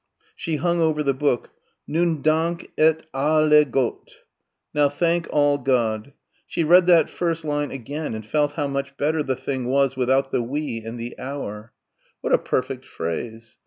She hung over the book. "Nun dank et Al le Gott." Now thank all God. She read that first line again and felt how much better the thing was without the "we" and the "our." What a perfect phrase....